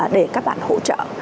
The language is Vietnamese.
để các bạn hỗ trợ